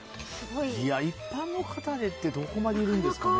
一般の方でってどこまでいるんですかね。